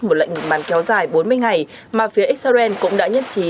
một lệnh màn kéo dài bốn mươi ngày mà phía israel cũng đã nhất trí